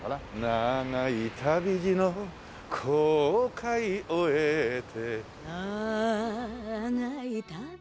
「長い旅路の航海終えて」